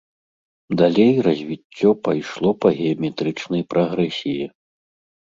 Далей развіццё пайшло па геаметрычнай прагрэсіі.